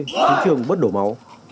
đổ mồ hôi trứng trường bớt đổ máu